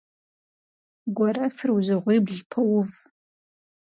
Гуэрэфыр узыгъуибл поув.